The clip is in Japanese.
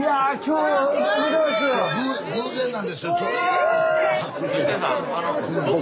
偶然なんですよ。